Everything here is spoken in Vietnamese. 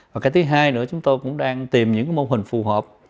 và cái thứ hai nữa chúng tôi cũng đang tìm những mô hình phù hợp